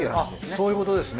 そういうことですね。